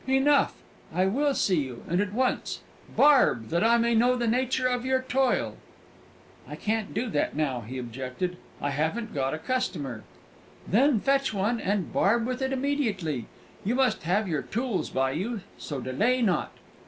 "Enough! I will see you and at once. Barb, that I may know the nature of your toil!" "I can't do that now," he objected; "I haven't got a customer." "Then fetch one, and barb with it immediately. You must have your tools by you; so delay not!"